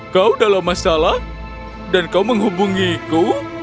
kau dalam masalah dan kau menghubungiku